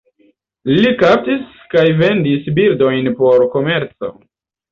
Li kaptis kaj vendis birdojn por komerco.